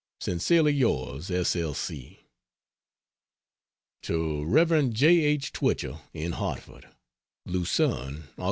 Sincerely yours S. L. C. To Rev. J. H. Twichell, in Hartford: LUCERNE, Aug.